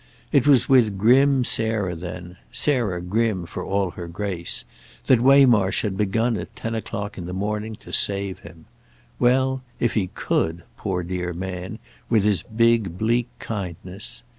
It was with grim Sarah then—Sarah grim for all her grace—that Waymarsh had begun at ten o'clock in the morning to save him. Well—if he could, poor dear man, with his big bleak kindness!